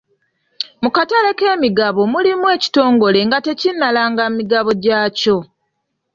Mu katale k'emigabo mulimu ekitongole nga tekinnalanga migabo gyakyo.